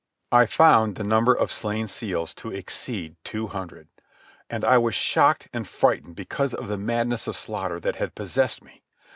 I found the number of slain seals to exceed two hundred, and I was shocked and frightened because of the madness of slaughter that had possessed me.